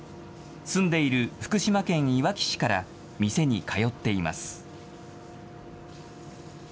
住んでいる福島県いわき市から店に通っています。